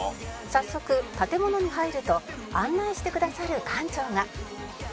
「早速建物に入ると案内してくださる館長が」